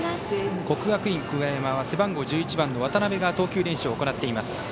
国学院久我山は背番号１１番の渡邊が投球練習を行っています。